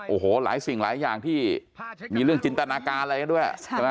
โอ้โหหลายสิ่งหลายอย่างที่มีเรื่องจินตนาการอะไรกันด้วยใช่ไหม